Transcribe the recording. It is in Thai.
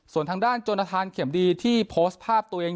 ส่วนทางด้านจนทานเข็มดีที่โพสต์ภาพตัวเอง